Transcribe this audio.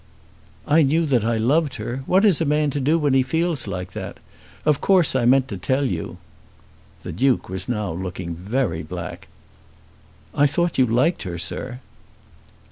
"I knew that I loved her. What is a man to do when he feels like that? Of course I meant to tell you." The Duke was now looking very black. "I thought you liked her, sir."